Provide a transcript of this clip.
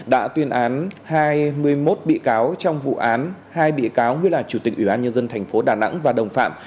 đã tuyên án hai mươi một bị cáo trong vụ án hai bị cáo như là chủ tịch ubnd thành phố đà nẵng và đồng phạm